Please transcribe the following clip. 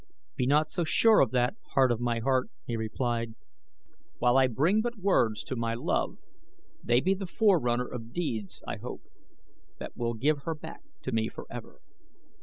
"Be not so sure of that, heart of my heart," he replied. "While I bring but words to my love, they be the forerunner of deeds, I hope, that will give her back to me forever.